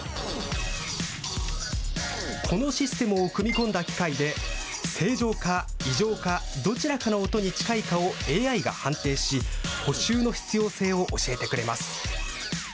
このシステムを組み込んだ機械で、正常か異常かどちらかの音に近いかをＡＩが判定し、補修の必要性を教えてくれます。